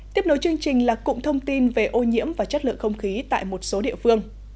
tiếp nối chương trình là cụm thông tin về ô nhiễm và chất lượng không khí tại một số địa phương